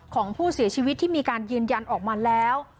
ของผู้เสียชีวิตที่มีการยืนยันออกมาแล้ว